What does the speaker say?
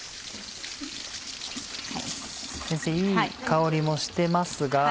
先生いい香りもしてますが。